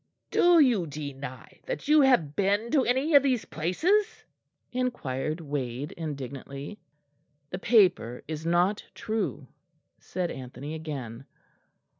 "Do you deny that you have been to any of these places?" inquired Wade indignantly. "The paper is not true," said Anthony again.